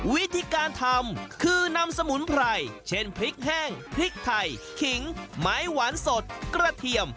วิธีการทำคือนำสมุนไพรเช่นพริกแห้งพริกไทยขิงไม้หวานสดกระเทียม